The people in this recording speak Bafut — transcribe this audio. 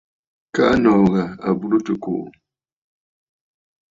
Kaa nòò ghà à burə tɨ̀ kùꞌù.